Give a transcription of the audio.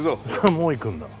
もう行くんだ。